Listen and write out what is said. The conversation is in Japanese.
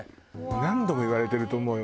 何度も言われてると思うよ。